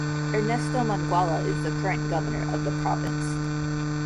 Ernesto Muangala is the current governor of the province.